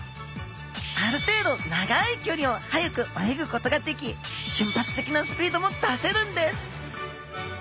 ある程度長いきょりを速く泳ぐことができ瞬発的なスピードも出せるんです